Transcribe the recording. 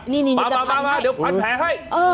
มาเดี๋ยวพรานแผลให้